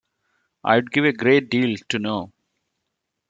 I’d give a great deal to know.